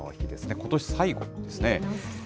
ことし最後ですね。